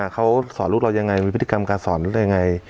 เขาสอนลูกเรายังไงมีพฤติกรรมการสอนลูกได้ยังไง